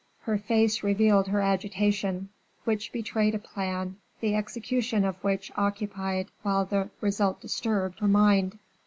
Her face revealed her agitation, which betrayed a plan, the execution of which occupied, while the result disturbed, her mind.